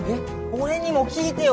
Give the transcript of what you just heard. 俺にも聞いてよ！